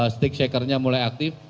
sticksaker nya mulai aktif